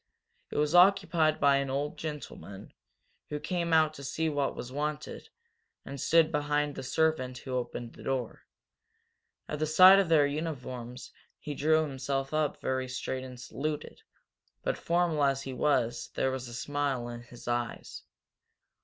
It was occupied by an old gentleman, who came out to see what was wanted and stood behind the servant who opened the door. At the sight of their uniforms he drew himself up very straight and saluted. But, formal as he was, there was a smile in his eyes.